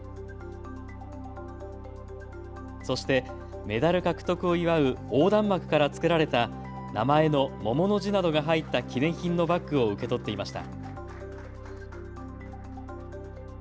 そして、メダル獲得を祝う横断幕から作られた名前の桃の字などが入った記念品のバッグを受け取っていました。